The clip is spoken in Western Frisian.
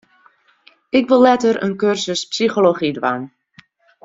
Ik wol letter in kursus psychology dwaan.